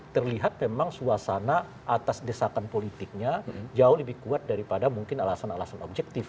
terlihat memang suasana atas desakan politiknya jauh lebih kuat daripada mungkin alasan alasan objektif